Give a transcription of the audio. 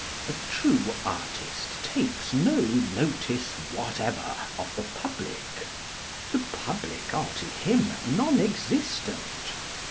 A true artist takes no notice whatever of the public. The public are to him non existent.